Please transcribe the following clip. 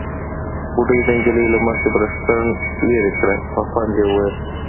بوډۍ د نجلۍ له مخې بړستن ليرې کړه، په خوند يې وويل: